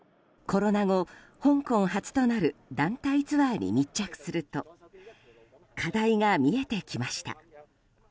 コロナ後、香港発となる団体ツアーに密着すると課題が見えてきました。